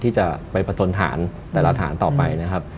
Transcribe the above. ที่จะไปประทนฐานแต่ละฐานต่อไปนะครับ